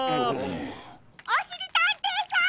おしりたんていさん！